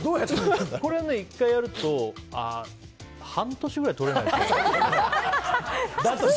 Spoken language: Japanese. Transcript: １回やると半年くらい取れないって。